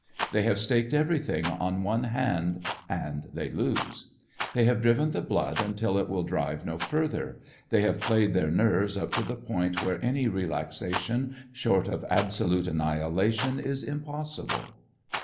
They have staked everything on one hand, and they lose. They have driven the blood until it will drive no further, they have played their nerves up to the point where any relaxation short of absolute annihilation is impossible.